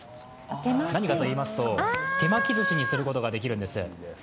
何かといいますと、手巻きずしにすることができるんです。